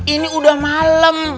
ini udah malem